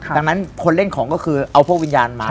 ดังนั้นคนเล่นของก็คือเอาพวกวิญญาณมา